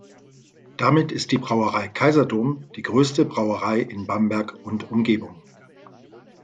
Damit ist die "Brauerei Kaiserdom" die größte Brauerei in Bamberg und Umgebung.